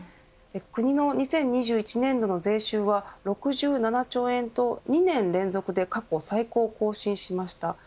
国の２０２１年度の税収は６７兆円と２年連続で過去最高を更新しました。